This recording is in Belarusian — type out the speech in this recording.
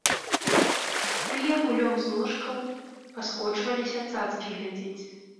Тыя кулём з ложкаў паскочваліся цацкі глядзець.